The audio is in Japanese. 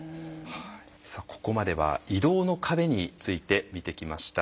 さあここまでは移動の壁について見てきました。